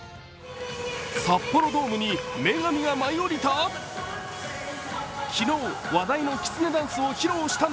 札幌ドームに女神が舞い降りた？